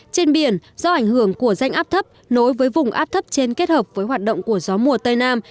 trên biển do ảnh hưởng của rãnh áp thấp nối với vùng áp thấp trên kết hợp với hoạt động của gió mùa tây nam